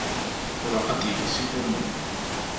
Iruḥ ad d-yekkes idammen.